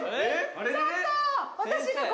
「ちょっとー！」